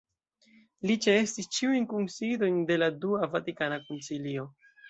Li ĉeestis ĉiujn kunsidojn de la dua Vatikana Koncilio.